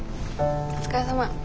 お疲れさま。